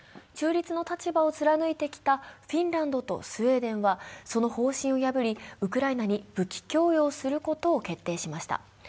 中立の立場を貫いてきたフィンランドスウェーデンはその方針を破り、ウクライナに武器供与をすることを決定しました。